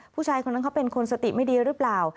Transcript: ผู้ชายคนนั้นเขาเป็นคนสติไม่ดีหรือเปล่า